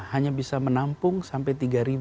hanya bisa menampung sampai dua tiga ratus